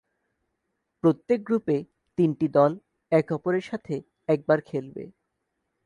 প্রত্যেক গ্রুপে তিনটি দল একে-অপরের সাথে একবার খেলবে।